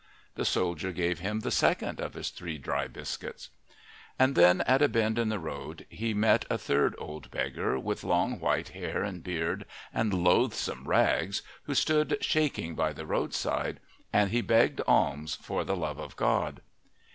The soldier gave him the second of his three dry biscuits. And then, at a bend in the road, he met a third old beggar, with long white hair and beard and loathsome rags, who stood shaking by the roadside, and he begged alms for the love of God.